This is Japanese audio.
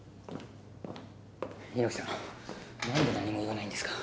猪木さん、なんで何も言わないんですか？